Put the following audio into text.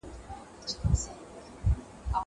کېدای سي سفر ستونزي ولري.